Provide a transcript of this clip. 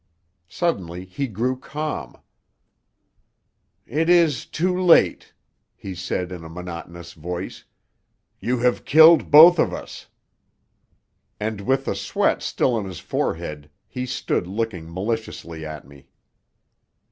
Suddenly he grew calm. "It is too late," he said in a monotonous voice, "You have killed both of us!" And, with the sweat still on his forehead, he stood looking maliciously at me.